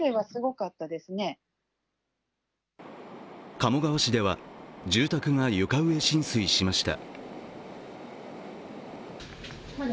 鴨川市では住宅が床上浸水しました。